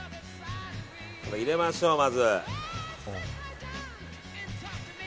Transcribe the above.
入れましょう、まず。